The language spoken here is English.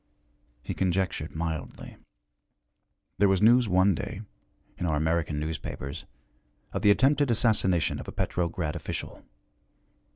He conjectured mildly. There was news one day, in our American newspapers, of the attempted assassination of a Petrograd official.